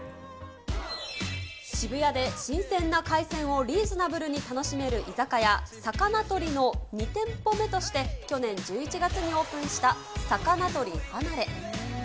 渋谷で新鮮な海鮮をリーズナブルに楽しめる居酒屋、肴とりの２店舗目として去年１１月にオープンした肴とりはなれ。